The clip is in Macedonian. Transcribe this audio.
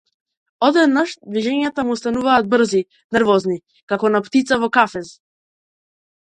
Одеднаш движењата му стануваат брзи, нервозни, како на птица во кафез.